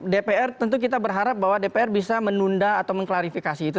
dpr tentu kita berharap bahwa dpr bisa menunda atau mengklarifikasi itu